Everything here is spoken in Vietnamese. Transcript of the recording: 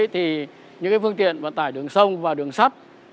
thì những phương tiện vận tải đường sông và đường sắt